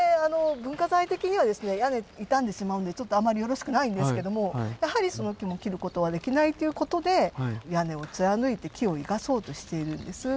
屋根傷んでしまうんでちょっとあんまりよろしくないんですけどもやはりその木も切ることはできないということで屋根を貫いて木を生かそうとしているんです。